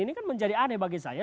ini kan menjadi aneh bagi saya